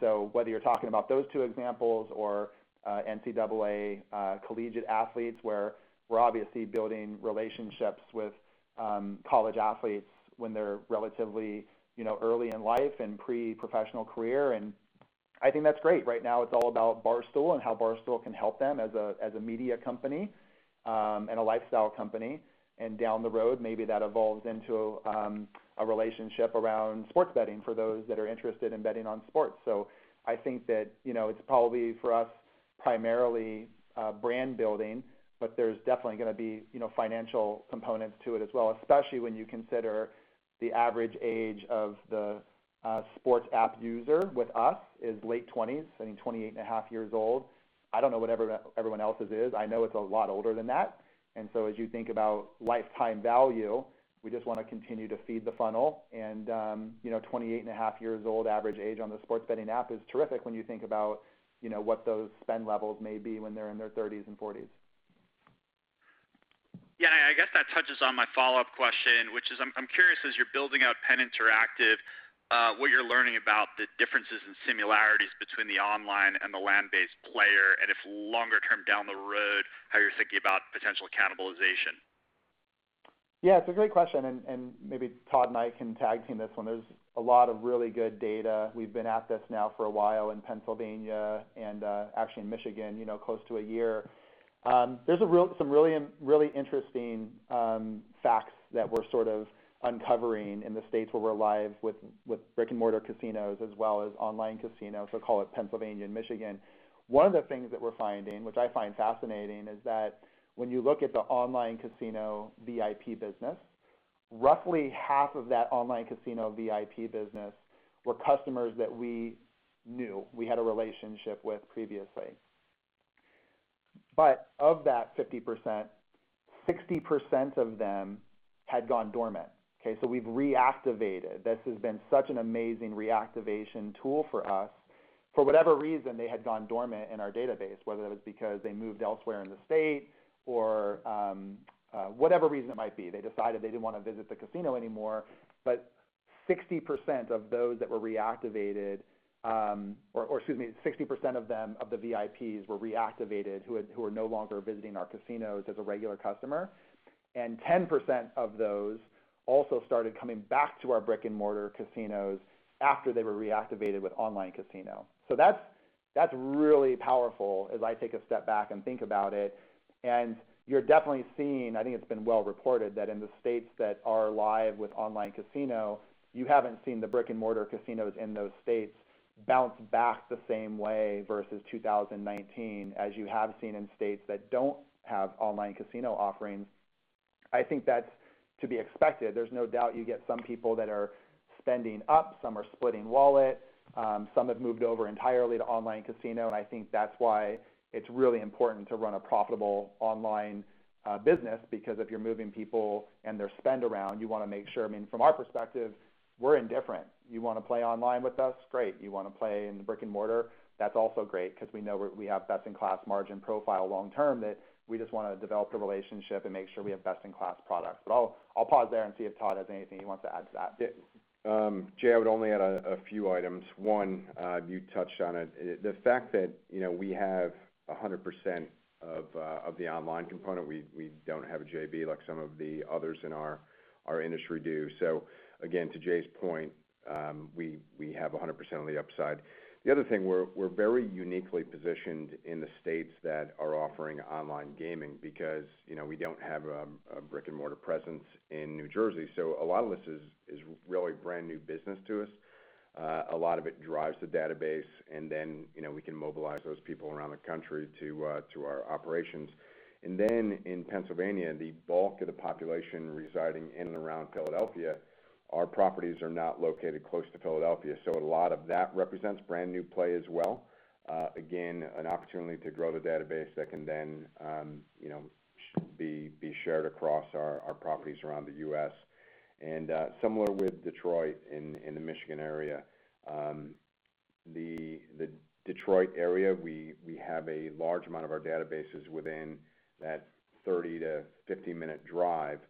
So whether you're talking about those two examples or NCAA collegiate athletes, where we're obviously building relationships with college athletes when they're relatively, you know, early in life and pre-professional career, and I think that's great. Right now, it's all about Barstool and how Barstool can help them as a media company and a lifestyle company. Down the road, maybe that evolves into a relationship around sports betting for those that are interested in betting on sports. I think that, you know, it's probably for us, primarily, brand building, but there's definitely gonna be, you know, financial components to it as well, especially when you consider the average age of the sports app user with us is late twenties, I think 28.5 years old. I don't know what everyone else's is. I know it's a lot older than that. As you think about lifetime value, we just wanna continue to feed the funnel and, you know, 28.5 years old, average age on the sports betting app is terrific when you think about, you know, what those spend levels may be when they're in their thirties and forties. Yeah. I guess that touches on my follow-up question, which is I'm curious, as you're building out PENN Interactive, what you're learning about the differences and similarities between the online and the land-based player, and if longer term down the road, how you're thinking about potential cannibalization. Yeah, it's a great question. Maybe Todd and I can tag team this one. There's a lot of really good data. We've been at this now for a while in Pennsylvania and actually in Michigan, you know, close to a year. There's some really interesting facts that we're sort of uncovering in the states where we're live with brick-and-mortar casinos as well as online casinos. Call it Pennsylvania and Michigan. One of the things that we're finding, which I find fascinating, is that when you look at the online casino VIP business, roughly half of that online casino VIP business were customers that we knew, we had a relationship with previously. Of that 50%, 60% of them had gone dormant. Okay, so we've reactivated. This has been such an amazing reactivation tool for us. For whatever reason, they had gone dormant in our database, whether that was because they moved elsewhere in the state or, whatever reason it might be. They decided they didn't wanna visit the casino anymore. 60% of those that were reactivated, 60% of them, of the VIPs were reactivated who were no longer visiting our casinos as a regular customer. 10% of those also started coming back to our brick-and-mortar casinos after they were reactivated with online casino. That's really powerful as I take a step back and think about it. You're definitely seeing, I think it's been well reported that in the states that are live with online casino, you haven't seen the brick-and-mortar casinos in those states bounce back the same way versus 2019, as you have seen in states that don't have online casino offerings. I think that's to be expected. There's no doubt you get some people that are spending up. Some are splitting wallet. Some have moved over entirely to online casino. I think that's why it's really important to run a profitable online business. Because if you're moving people and their spend around, you wanna make sure. I mean, from our perspective, we're indifferent. You wanna play online with us, great. You wanna play in the brick-and-mortar, that's also great 'cause we know we have best-in-class margin profile long term, that we just wanna develop the relationship and make sure we have best-in-class products. I'll pause there and see if Todd has anything he wants to add to that. Yeah. Jay, I would only add a few items. One, you touched on it. The fact that, you know, we have 100% of the online component, we don't have a JV like some of the others in our industry do. So again, to Jay's point, we have 100% on the upside. The other thing, we're very uniquely positioned in the states that are offering online gaming because, you know, we don't have a brick-and-mortar presence in New Jersey. So a lot of this is really brand new business to us. A lot of it drives the database, and then, you know, we can mobilize those people around the country to our operations. In Pennsylvania, the bulk of the population residing in and around Philadelphia, our properties are not located close to Philadelphia, so a lot of that represents brand new play as well. Again, an opportunity to grow the database that can then, you know, be shared across our properties around the U.S. Similar with Detroit in the Michigan area. The Detroit area, we have a large amount of our databases within that 30- 50-minute drive.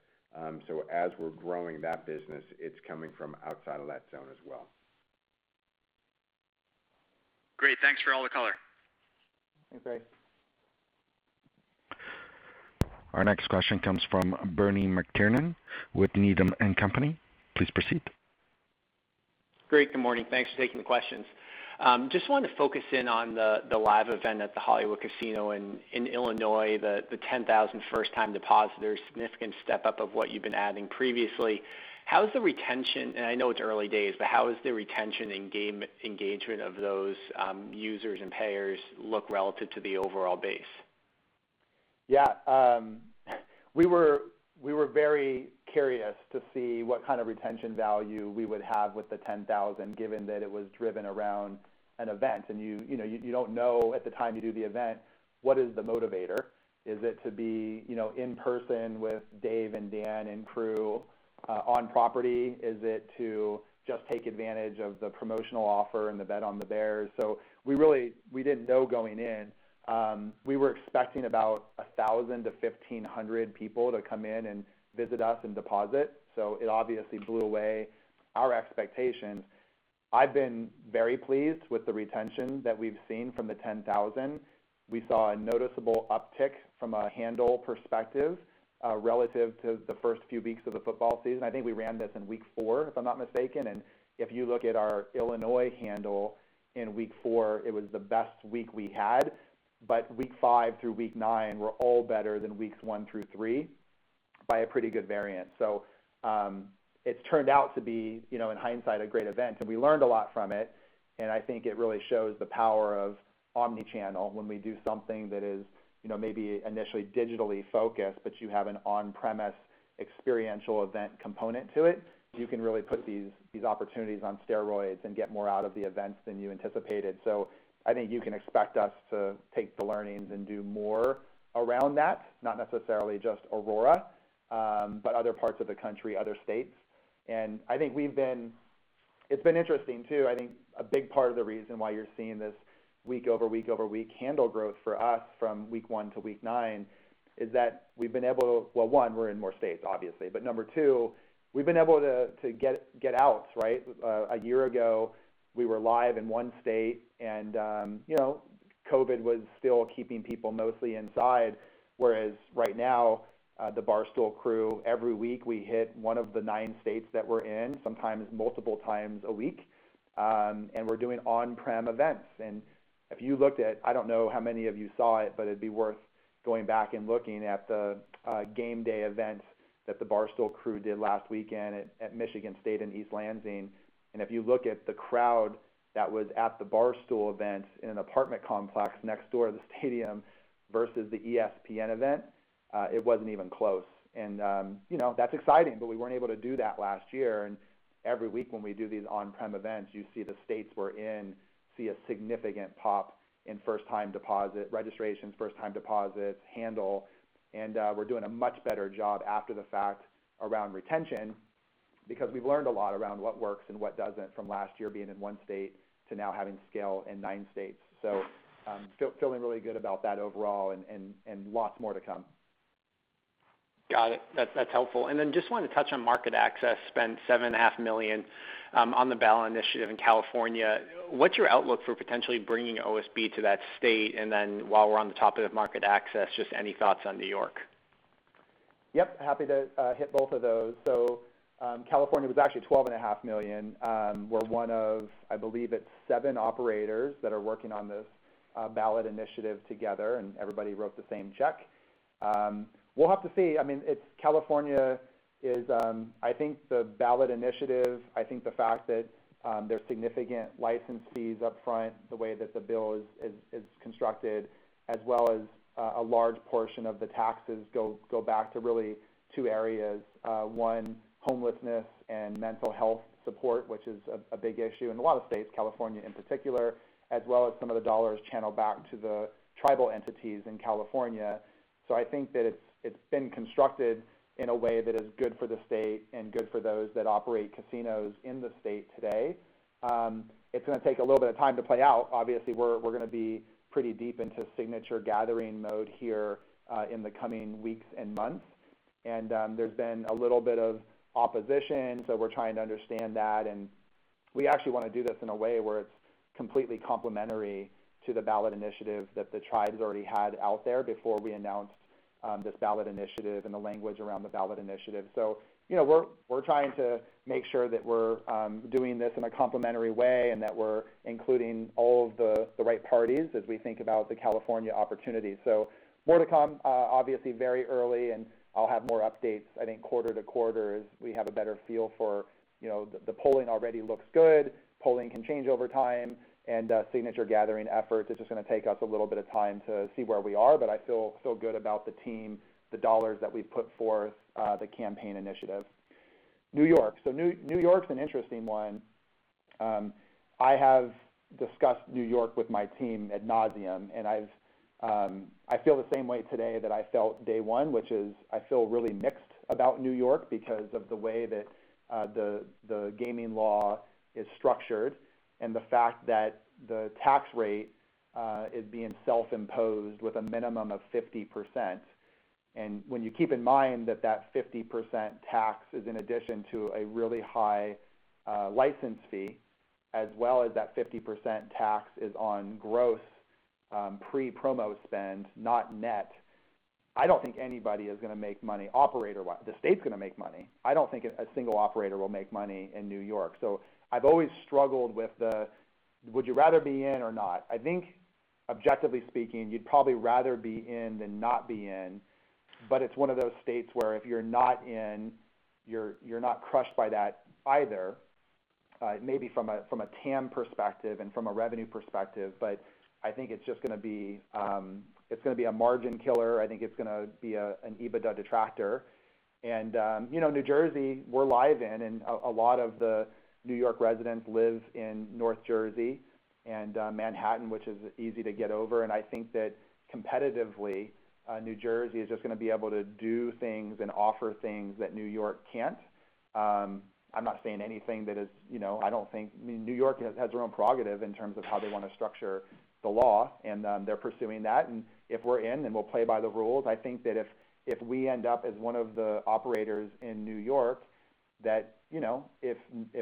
As we're growing that business, it's coming from outside of that zone as well. Great. Thanks for all the color. Okay. Our next question comes from Bernie McTernan with Needham & Company. Please proceed. Great. Good morning. Thanks for taking the questions. Just wanted to focus in on the live event at the Hollywood Casino in Illinois, the 10,000 first-time depositors, significant step up from what you've been adding previously. How is the retention engagement of those users and players look relative to the overall base? I know it's early days. Yeah. We were very curious to see what kind of retention value we would have with the 10,000, given that it was driven around an event. You know, you don't know at the time you do the event what the motivator is. Is it to be, you know, in person with Dave and Dan and crew on property? Is it to just take advantage of the promotional offer and the bet on the Bears? We really didn't know going in. We were expecting about 1,000 to 1,500 people to come in and visit us and deposit. It obviously blew away our expectations. I've been very pleased with the retention that we've seen from the 10,000. We saw a noticeable uptick from a handle perspective relative to the first few weeks of the football season. I think we ran this in week 4, if I'm not mistaken. If you look at our Illinois handle in week 4, it was the best week we had. Week 5 through week 9 were all better than weeks 1 through three by a pretty good variance. It's turned out to be, you know, in hindsight, a great event, and we learned a lot from it. I think it really shows the power of omni-channel when we do something that is, you know, maybe initially digitally focused, but you have an on-premise experiential event component to it. You can really put these opportunities on steroids and get more out of the events than you anticipated. I think you can expect us to take the learnings and do more around that, not necessarily just Aurora, but other parts of the country, other states. I think we've been. It's been interesting, too. I think a big part of the reason why you're seeing this week over week over week handle growth for us from week one to week nine is that we've been able to. Well, one, we're in more states, obviously. Number two, we've been able to get outs, right? A year ago, we were live in one state and, you know, COVID was still keeping people mostly inside. Whereas right now, the Barstool crew, every week, we hit one of the nine states that we're in, sometimes multiple times a week, and we're doing on-prem events. If you looked at, I don't know how many of you saw it, but it'd be worth going back and looking at the game day events that the Barstool crew did last weekend at Michigan State in East Lansing. If you look at the crowd that was at the Barstool event in an apartment complex next door to the stadium versus the ESPN event, it wasn't even close. You know, that's exciting, but we weren't able to do that last year. Every week when we do these on-prem events, you see the states we're in see a significant pop in first-time deposit registrations, first-time deposits, handle. We're doing a much better job after the fact around retention because we've learned a lot around what works and what doesn't from last year being in one state to now having scale in nine states. Feeling really good about that overall and lots more to come. Got it. That's helpful. Just wanted to touch on market access. Spent $7.5 million on the ballot initiative in California. What's your outlook for potentially bringing OSB to that state? While we're on the topic of market access, just any thoughts on New York? Yep. Happy to hit both of those. California was actually $12.5 million. We're one of, I believe it's seven operators that are working on this ballot initiative together, and everybody wrote the same check. We'll have to see. I mean, it's California, I think the ballot initiative, I think the fact that there are significant license fees up front, the way that the bill is constructed, as well as a large portion of the taxes go back to really two areas. One, homelessness and mental health support, which is a big issue in a lot of states, California in particular, as well as some of the dollars channel back to the tribal entities in California. I think that it's been constructed in a way that is good for the state and good for those that operate casinos in the state today. It's gonna take a little bit of time to play out. Obviously, we're gonna be pretty deep into signature gathering mode here in the coming weeks and months. There's been a little bit of opposition, so we're trying to understand that. We actually wanna do this in a way where it's completely complementary to the ballot initiative that the tribes already had out there before we announced this ballot initiative and the language around the ballot initiative. You know, we're trying to make sure that we're doing this in a complementary way that we're including all of the right parties as we think about the California opportunity. More to come, obviously very early, and I'll have more updates, I think quarter to quarter as we have a better feel for, you know, the polling already looks good. Polling can change over time and signature gathering effort is just gonna take us a little bit of time to see where we are, but I feel good about the team, the dollars that we've put forth, the campaign initiative. New York. New York's an interesting one. I have discussed New York with my team ad nauseam, and I feel the same way today that I felt day one, which is I feel really mixed about New York because of the way that the gaming law is structured and the fact that the tax rate is being self-imposed with a minimum of 50%. When you keep in mind that 50% tax is in addition to a really high license fee, as well as that 50% tax is on gross pre-promo spend, not net. I don't think anybody is gonna make money. The state's gonna make money. I don't think a single operator will make money in New York. I've always struggled with the would you rather be in or not? I think objectively speaking, you'd probably rather be in than not be in, but it's one of those states where if you're not in, you're not crushed by that either. It may be from a TAM perspective and from a revenue perspective, but I think it's just gonna be a margin killer. I think it's gonna be an EBITDA detractor. You know, New Jersey we're live in, and a lot of the New York residents live in North Jersey and Manhattan, which is easy to get over, and I think that competitively, New Jersey is just gonna be able to do things and offer things that New York can't. I'm not saying anything that is, you know, I don't think. I mean, New York has their own prerogative in terms of how they wanna structure the law, and they're pursuing that. If we're in, then we'll play by the rules. I think that if we end up as one of the operators in New York, that you know if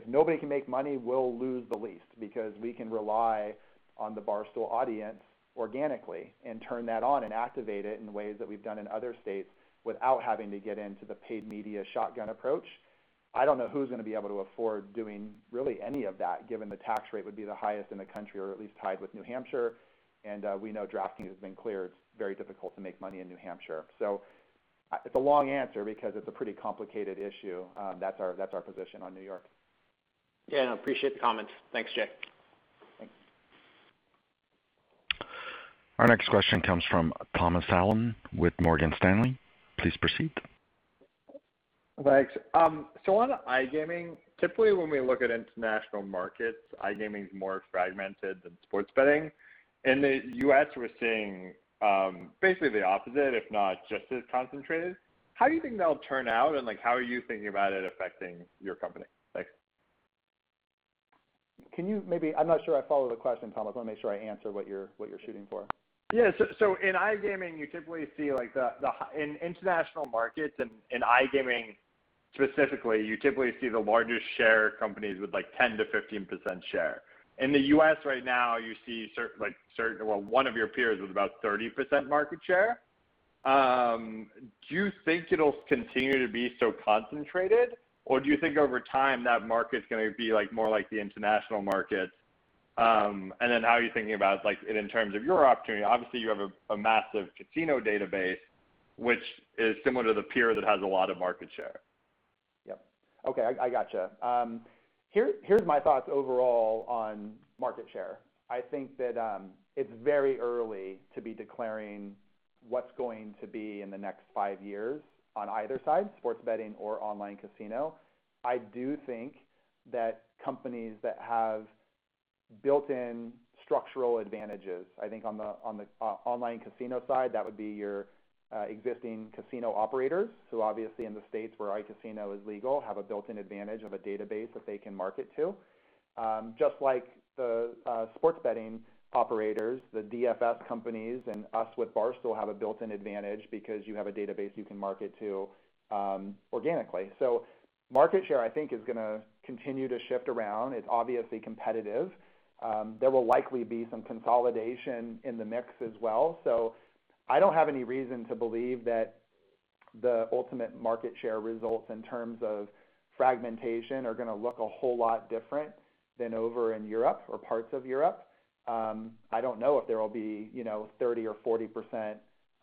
nobody can make money, we'll lose the least because we can rely on the Barstool audience organically and turn that on and activate it in ways that we've done in other states without having to get into the paid media shotgun approach. I don't know who's gonna be able to afford doing really any of that, given the tax rate would be the highest in the country, or at least tied with New Hampshire, and we know DraftKings has been cleared. It's very difficult to make money in New Hampshire. It's a long answer because it's a pretty complicated issue. That's our position on New York. Yeah, I appreciate the comments. Thanks, Jacy Thanks. Our next question comes from Thomas Allen with Morgan Stanley. Please proceed. Thanks. On iGaming, typically when we look at international markets, iGaming is more fragmented than sports betting. In the U.S., we're seeing, basically the opposite, if not just as concentrated. How do you think that'll turn out, and like how are you thinking about it affecting your company? Thanks. I'm not sure I follow the question, Thomas. Let me make sure I answer what you're shooting for. Yeah. In international markets and in iGaming specifically, you typically see the largest share companies with like 10%-15% share. In the U.S. right now, you see one of your peers with about 30% market share. Do you think it'll continue to be so concentrated, or do you think over time that market's gonna be like, more like the international markets? And then how are you thinking about like it in terms of your opportunity? Obviously, you have a massive casino database, which is similar to the peer that has a lot of market share. Yep. Okay. I gotcha. Here's my thoughts overall on market share. I think that it's very early to be declaring what's going to be in the next five years on either side, sports betting or online casino. I do think that companies that have built-in structural advantages. I think on the online casino side, that would be your existing casino operators, who obviously in the states where iCasino is legal, have a built-in advantage of a database that they can market to. Just like the sports betting operators, the DFS companies and us with Barstool have a built-in advantage because you have a database you can market to organically. Market share, I think is gonna continue to shift around. It's obviously competitive. There will likely be some consolidation in the mix as well. I don't have any reason to believe that the ultimate market share results in terms of fragmentation are gonna look a whole lot different than over in Europe or parts of Europe. I don't know if there will be, you know, 30% or 40%,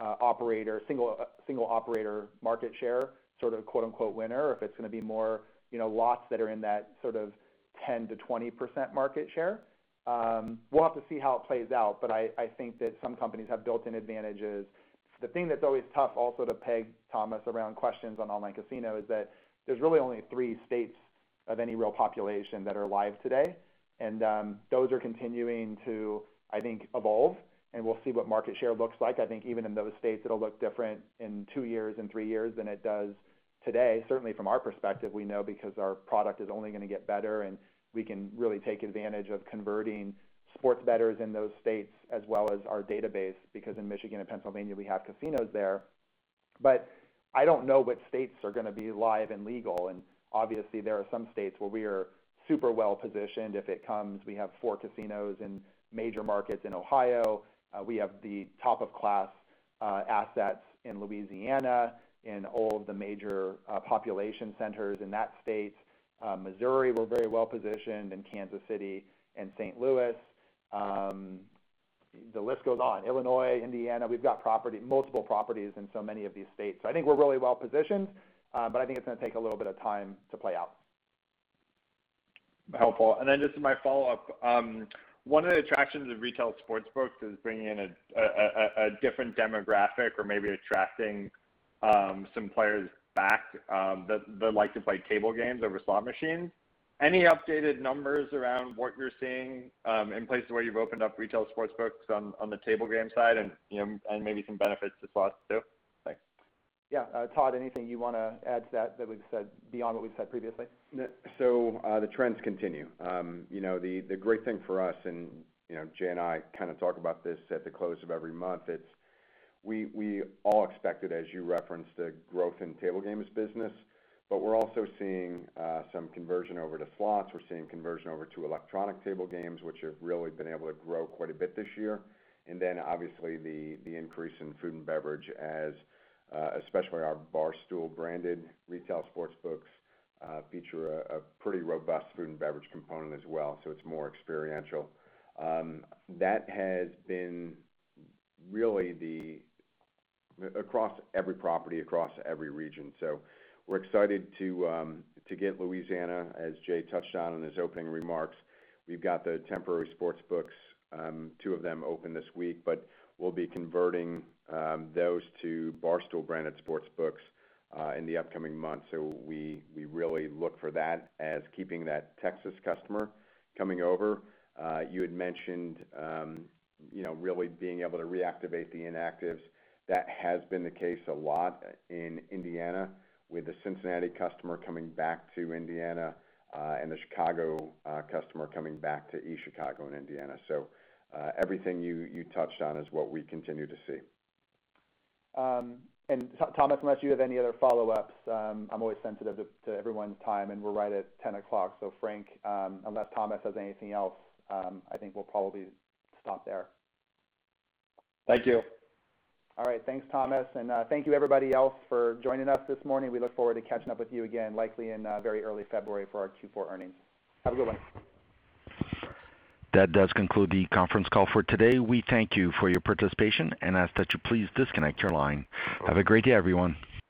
operator, single operator market share, sort of quote-unquote winner, or if it's gonna be more, you know, lots that are in that sort of 10%-20% market share. We'll have to see how it plays out, but I think that some companies have built-in advantages. The thing that's always tough also to peg, Thomas, around questions on online casino is that there's really only three states of any real population that are live today, and those are continuing to, I think, evolve, and we'll see what market share looks like. I think even in those states, it'll look different in two years, in three years than it does today. Certainly, from our perspective, we know because our product is only gonna get better, and we can really take advantage of converting sports bettors in those states as well as our database, because in Michigan and Pennsylvania, we have casinos there. I don't know which states are gonna be live and legal. Obviously, there are some states where we are super well-positioned if it comes. We have four casinos in major markets in Ohio. We have the top-class assets in Louisiana in all of the major population centers in that state. Missouri, we're very well-positioned in Kansas City and St. Louis. The list goes on. Illinois, Indiana, we've got properties, multiple properties in so many of these states. I think we're really well-positioned, but I think it's gonna take a little bit of time to play out. Helpful. Just my follow-up. One of the attractions of retail sportsbooks is bringing in a different demographic or maybe attracting some players back that like to play table games over slot machines. Any updated numbers around what you're seeing in places where you've opened up retail sportsbooks on the table game side and maybe some benefits to slots too? Thanks. Yeah. Todd, anything you wanna add to that we've said beyond what we've said previously? The trends continue. You know, the great thing for us, and you know, Jay and I kinda talk about this at the close of every month, we all expected, as you referenced, the growth in table games business, but we're also seeing some conversion over to slots. We're seeing conversion over to electronic table games, which have really been able to grow quite a bit this year. Obviously the increase in food and beverage especially our Barstool branded retail sportsbooks feature a pretty robust food and beverage component as well, so it's more experiential. That has been really across every property, across every region. We're excited to get Louisiana, as Jay touched on in his opening remarks. We've got the temporary sports books, two of them open this week, but we'll be converting those to Barstool branded sports books in the upcoming months. We really look for that as keeping that Texas customer coming over. You had mentioned, you know, really being able to reactivate the inactives. That has been the case a lot in Indiana with the Cincinnati customer coming back to Indiana, and the Chicago customer coming back to East Chicago and Indiana. Everything you touched on is what we continue to see. Thomas, unless you have any other follow-ups, I'm always sensitive to everyone's time, and we're right at 10:00 A.M. Frank, unless Thomas has anything else, I think we'll probably stop there. Thank you. All right. Thanks, Thomas. Thank you everybody else for joining us this morning. We look forward to catching up with you again, likely in, very early February for our Q4 earnings. Have a good one. That does conclude the conference call for today. We thank you for your participation and ask that you please disconnect your line. Have a great day, everyone.